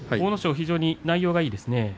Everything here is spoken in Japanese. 非常に内容がいいですね。